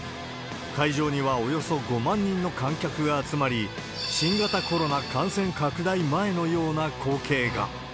会場にはおよそ５万人の観客が集まり、新型コロナ感染拡大前のような光景が。